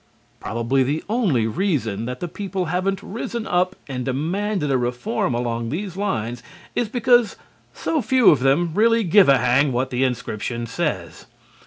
Probably the only reason that the people haven't risen up and demanded a reform along these lines is because so few of them really give a hang what the inscription says.